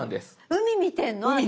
海見てんの私？